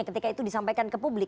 ketika itu disampaikan ke publik